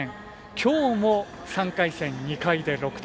きょうも３回戦、２回で６点。